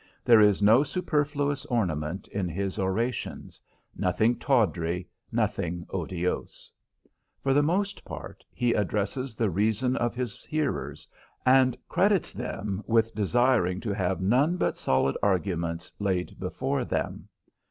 There is no superfluous ornament in his orations, nothing tawdry, nothing otiose. For the most part, he addresses the reason of his hearers, and credits them with desiring to have none but solid arguments laid before them.